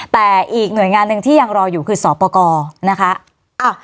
แต่อีกหน่วยงานหนึ่งที่ยังรออยู่คือสอบประกอบนะคะ